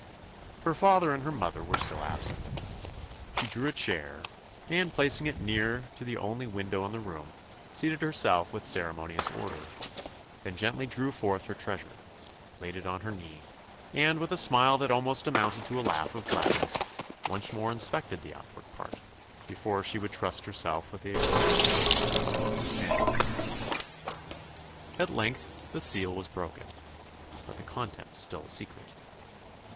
Her father and her mother were still absent. She drew a chair, and placing it near to the only window in the room, seated herself with ceremonious order; then gently drew forth her treasure, laid it on her knee, and with a smile that almost amounted to a laugh of gladness, once more inspected the outward part, before she would trust herself with the excessive joy of looking within. At length the seal was broken but the contents still a secret.